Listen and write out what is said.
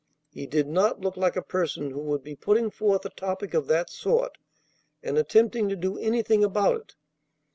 He did not look like a person who would be putting forth a topic of that sort and attempting to do anything about it.